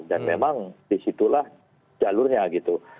dan memang disitulah jalurnya gitu